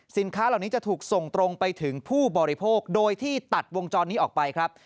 เหล่านี้จะถูกส่งตรงไปถึงผู้บริโภคโดยที่ตัดวงจรนี้ออกไปครับ